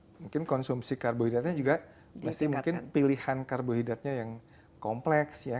mungkin konsumsi karbohidratnya juga pasti mungkin pilihan karbohidratnya yang kompleks ya